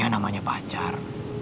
ya namanya pacar